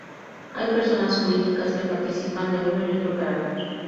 Hay personas jurídicas que participan de uno y otro carácter.